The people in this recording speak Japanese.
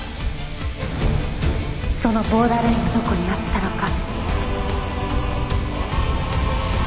そのボーダーラインがどこにあったのか。